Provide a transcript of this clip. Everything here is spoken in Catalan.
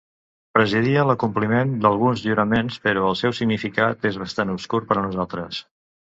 Presidia l'acompliment d'alguns juraments, però el seu significat és bastant obscur per a nosaltres.